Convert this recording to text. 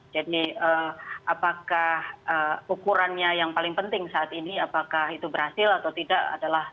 jadi apakah ukurannya yang paling penting saat ini apakah itu berhasil atau tidak adalah